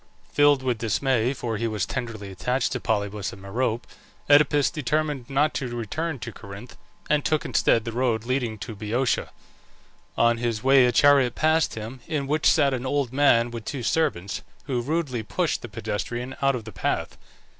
Filled with dismay, for he was tenderly attached to Polybus and Merope, Oedipus determined not to return to Corinth, and took instead the road leading to Boeotia. On his way a chariot passed him, in which sat an old man with two servants, who rudely pushed the pedestrian out of the path.